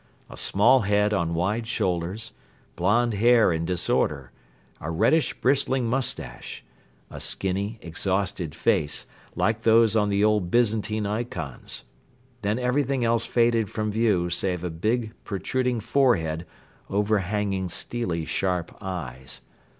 A small head on wide shoulders; blonde hair in disorder; a reddish bristling moustache; a skinny, exhausted face, like those on the old Byzantine ikons. Then everything else faded from view save a big, protruding forehead overhanging steely sharp eyes.